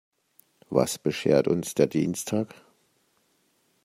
Was beschert uns der Dienstag?